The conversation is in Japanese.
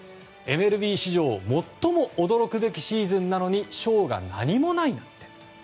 ＭＬＢ史上最も驚くべきシーズンなのに賞が何もないなんて。